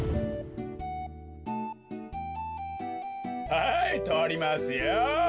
はいとりますよ。